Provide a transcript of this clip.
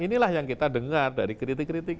inilah yang kita dengar dari kritik kritik